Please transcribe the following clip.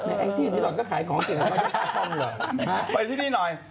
ไปที่นี่หน่อย